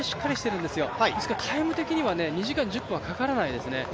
なのでタイム的には２時間１０分はかからないですね。